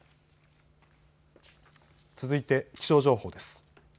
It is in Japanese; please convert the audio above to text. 続いて気象情報です。